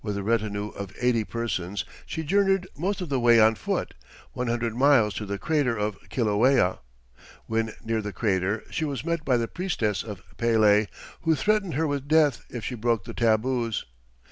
With a retinue of eighty persons she journeyed, most of the way on foot, one hundred miles to the crater of Kilauea. When near the crater, she was met by the priestess of Pele, who threatened her with death if she broke the tabus.